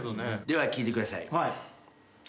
では聴いてください。